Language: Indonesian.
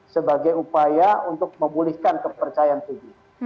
sebagai upaya untuk memulihkan kepercayaan publik